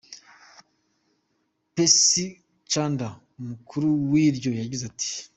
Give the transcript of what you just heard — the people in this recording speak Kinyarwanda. Percy Chanda, umukuru waryo, yagize ati:.